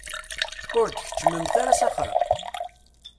Ur d-keččment ara s axxam?